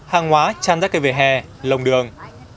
hàng hóa chan ra cây về hè lồng đường